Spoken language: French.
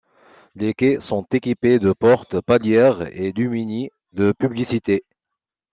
Les quais sont équipés de portes palières et démunis de publicités.